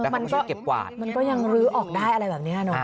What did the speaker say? มันก็ยังรื้อออกได้อะไรแบบนี้น่ะ